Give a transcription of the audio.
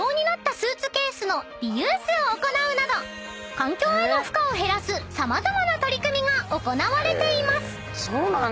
［環境への負荷を減らす様々な取り組みが行われています］